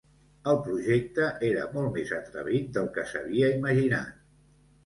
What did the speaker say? El projecte era molt més atrevit del que s'havia imaginat.